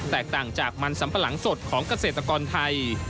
ต่างจากมันสัมปะหลังสดของเกษตรกรไทย